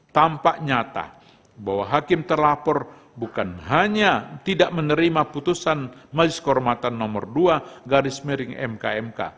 tampak nyata bahwa hakim terlapor bukan hanya tidak menerima putusan majelis kehormatan nomor dua garis miring mk mk